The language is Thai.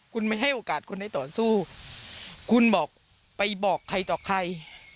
คุณไม่ให้โอกาสคุณได้ต่อสู้คุณบอกไปบอกใครต่อใคร